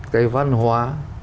cái văn hóa